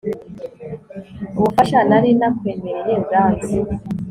ubufasha nari nakwemereye bwanze